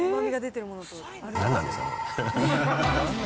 何なんですかね？